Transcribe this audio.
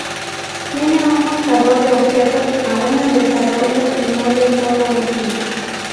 Tiene un buscador de objetos, aún en desarrollo y no del todo útil.